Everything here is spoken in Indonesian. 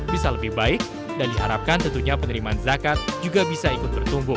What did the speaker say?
bisa lebih baik dan diharapkan tentunya penerimaan zakat juga bisa ikut bertumbuh